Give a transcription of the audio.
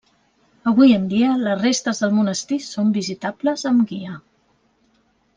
Avui en dia les restes del monestir són visitables amb guia.